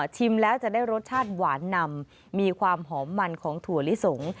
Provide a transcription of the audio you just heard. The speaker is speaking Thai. แล้วจะได้รสชาติหวานนำมีความหอมมันของถั่วลิสง